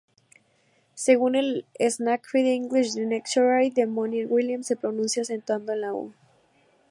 Según el "Sanskrit-English Dictionary" de Monier-Williams, se pronuncia acentuado en la u.